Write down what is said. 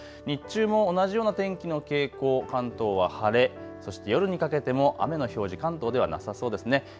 日中も同じような天気の傾向、関東は晴れ、そして夜にかけても雨の表示、関東ではなさそうですね。